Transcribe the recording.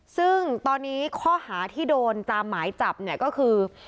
ซึ่งตอนนี้ข้อหาที่โดนตามหมายจับเนี่ยก็คือ